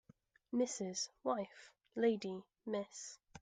Mrs. wife lady Miss